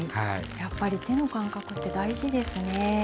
やっぱり手の感覚って大事ですね。